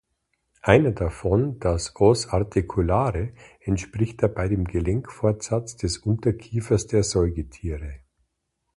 Einer davon, das "Os articulare" entspricht dabei dem Gelenkfortsatz des Unterkiefers der Säugetiere.